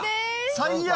最悪！